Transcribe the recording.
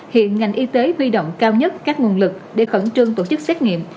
hiện ngành y tế huy động cao nhất các nguồn lực để khẩn trương tổ chức xét nghiệm